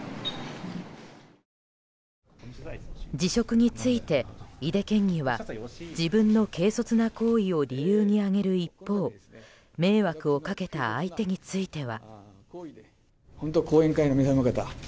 辞職について井手県議は自分の軽率な行為を理由に挙げる一方迷惑をかけた相手については。